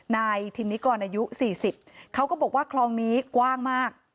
นายธินนิกรอายุ๔๐เขาก็บอกว่าคลองนี้กว้างมาก